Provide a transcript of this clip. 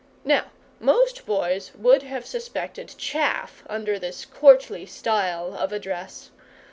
Now most boys would have suspected chaff under this courtly style of address.